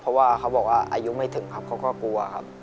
เพราะว่าเขาบอกว่าอายุไม่ถึงครับเขาก็กลัวครับ